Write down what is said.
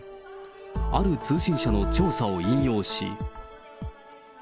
ある通信社の調査を引用し。